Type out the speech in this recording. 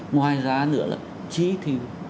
ngoài ra nữa là chị thì